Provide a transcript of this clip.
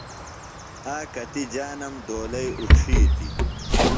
آکتیۡ جانم ڈولئی اُڇِھیتیۡ۔